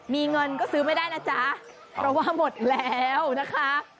มีเงินก็ซื้อไม่ได้นะจ๊ะเพราะว่าหมดแล้วนะคะ